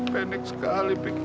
panik sekali pikiranmu